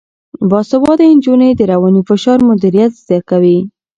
باسواده نجونې د رواني فشار مدیریت زده کوي.